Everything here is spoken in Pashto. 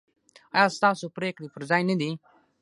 ایا ستاسو پریکړې پر ځای نه دي؟